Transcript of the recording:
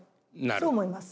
そう思います。